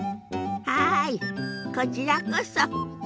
はいこちらこそ。